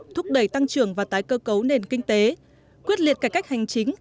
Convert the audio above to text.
thúc đẩy tăng trưởng và tái cơ cấu nền kinh tế quyết liệt cải cách hành chính